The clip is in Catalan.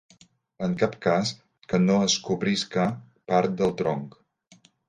En cap cas, que no es cobrisca part del tronc.